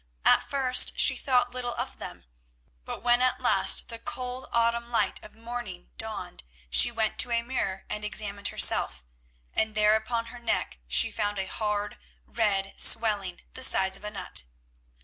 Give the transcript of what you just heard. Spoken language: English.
At first she thought little of them, but when at last the cold light of the autumn morning dawned she went to a mirror and examined herself, and there upon her neck she found a hard red swelling of the size of a nut.